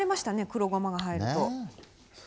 黒ごまが入ると。